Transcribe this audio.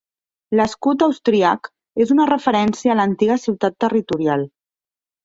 L'escut austríac és una referència a l'antiga ciutat territorial.